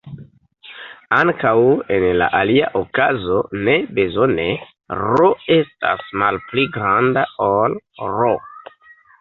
Ankaŭ, en la alia okazo ne bezone "r" estas malpli granda ol "R".